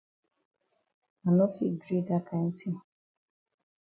I no fit gree dat kind tin.